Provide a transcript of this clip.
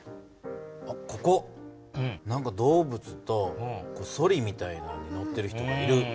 ここ何か動物とソリみたいなのに乗ってる人がいる。